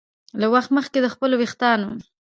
له وخت مخکې د خپلو ویښتانو